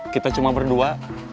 kita cuma berdua